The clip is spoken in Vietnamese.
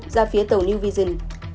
ra phía tàu new vision